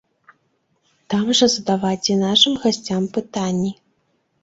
Там жа задавайце нашым гасцям пытанні!